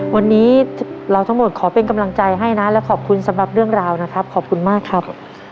วันนี้เราทั้งหมดขอเป็นกำลังใจให้นะและขอบคุณสำหรับเรื่องราวนะครับขอบคุณมากครับ